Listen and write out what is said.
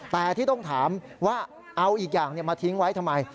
แต่ที่ต้องถามว่าเอาอีกอย่างมาทิ้งไว้ทำไม